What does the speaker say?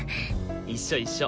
一緒一緒。